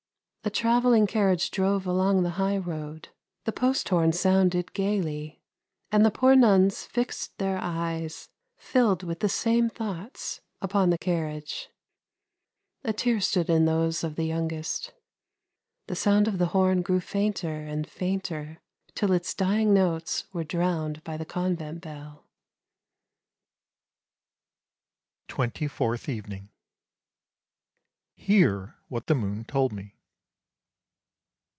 A travelling carriage drove along the high road; the post horn sounded gaily, and the poor nuns fixed their eyes, filled with the same thoughts, upon the carriage; a tear stood in those of the youngest. The sound of the horn grew fainter and fainter till its dying notes were drowned by the convent bell." 254 ANDERSEN'S FAIRY TALES TWENTY FOURTH EVENING Hear what the moon told me.